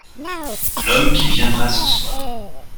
L'homme qui viendra ce soir.